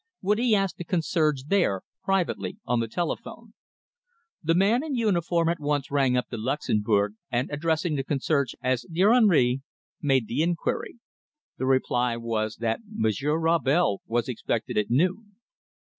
Would he ask the concierge there privately on the telephone? The man in uniform at once rang up the Luxembourg, and addressing the concierge as his "dear Henri," made the inquiry. The reply was that Monsieur Rabel was expected at noon.